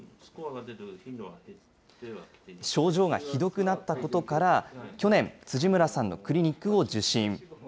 症状がひどくなったことから、去年、辻村さんのクリニックを受診。